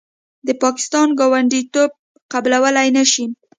د پاکستان ګوډاګیتوب قبلولې نشي.